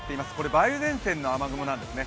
梅雨前線の雨雲なんですね。